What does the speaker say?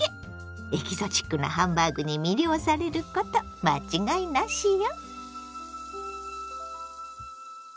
エキゾチックなハンバーグに魅了されること間違いなしよ。